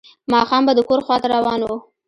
ماښام به د کور خواته روان و.